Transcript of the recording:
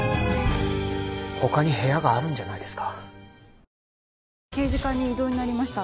他に部屋があるんじゃないですか。